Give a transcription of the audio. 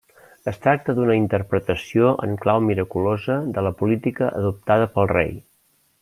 Es tracta d'una interpretació en clau miraculosa de la política adoptada pel rei.